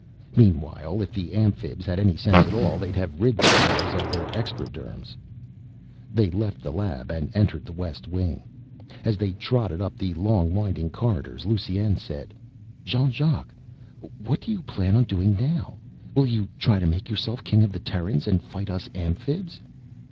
Meanwhile, if the Amphibs had any sense at all, they'd have rid themselves of their extraderms. They left the lab and entered the west wing. As they trotted up the long winding corridors Lusine said, "Jean Jacques, what do you plan on doing now? Will you try to make yourself King of the Terrans and fight us Amphibs?"